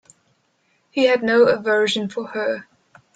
He had no aversion for her.